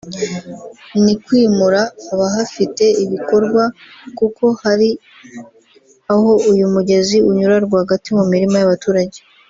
ni kwimura abahafite ibikorwa kuko hari aho uyu mugezi unyura rwagati mu mirima y’abaturage